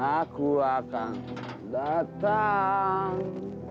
aku akan datang